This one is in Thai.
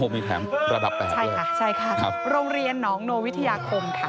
มีแถมระดับ๘ใช่ค่ะใช่ค่ะครับโรงเรียนหนองโนวิทยาคมค่ะ